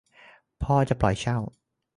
พ่อจะปล่อยเช่า